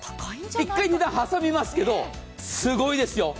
１回、値段挟みますけどすごいですよ。